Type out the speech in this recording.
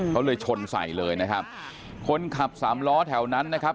เขาเลยชนใส่เลยนะครับคนขับสามล้อแถวนั้นนะครับ